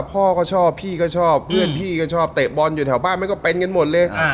พ่อก็ชอบพี่ก็ชอบเพื่อนพี่ก็ชอบเตะบอลอยู่แถวบ้านมันก็เป็นกันหมดเลย